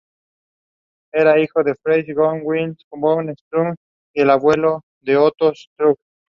Era hijo de Friedrich Georg Wilhelm von Struve, y el abuelo de Otto Struve.